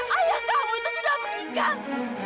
ayah kamu itu sudah mengikat